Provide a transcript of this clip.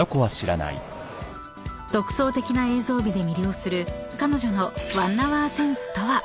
［独創的な映像美で魅了する彼女の］